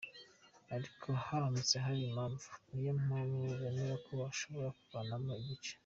Ariko haramutse hari impamvu, ni yo mpamvu bemera ko uhobora kuvanamo igice.